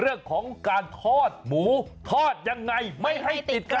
เรื่องของการทอดหมูทอดยังไงไม่ให้ติดกัน